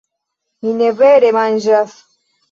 Mi ne vere manĝas